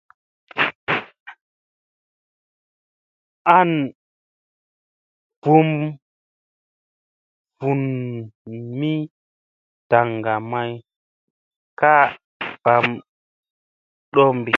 An vum vun mi daŋga may ka wam ɗoombi.